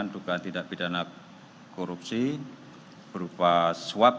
yang juga tidak pidana korupsi berupa swab